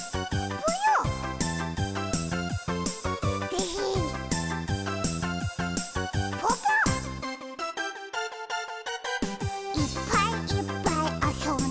ぽぽ「いっぱいいっぱいあそんで」